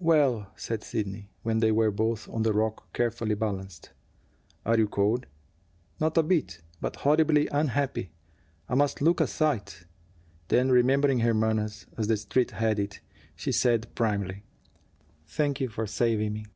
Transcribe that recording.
"Well!" said Sidney, when they were both on the rock, carefully balanced. "Are you cold?" "Not a bit. But horribly unhappy. I must look a sight." Then, remembering her manners, as the Street had it, she said primly: "Thank you for saving me."